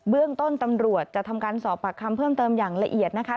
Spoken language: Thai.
เรื่องต้นตำรวจจะทำการสอบปากคำเพิ่มเติมอย่างละเอียดนะคะ